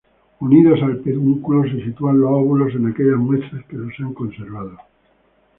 Unidos al pedúnculo se sitúan los óvulos en aquellas muestras que los han conservado.